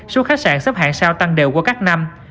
số khách sạn xếp hạng sao tăng đều qua các năm